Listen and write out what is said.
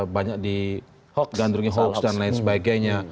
banyak digandrungi hoax dan lain sebagainya